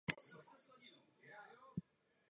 Studoval na gymnáziu v Olomouci.